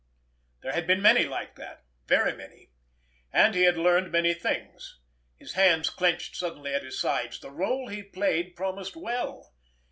There had been many like that—very many. And he had learned many things. His hands clenched suddenly at his sides. The rôle he played promised well!